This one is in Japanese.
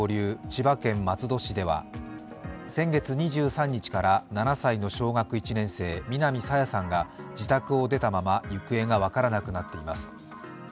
千葉県松戸市では先月２３日から７歳の小学１年生、南朝芽さんが自宅を出たまま行方が分からなくなっています。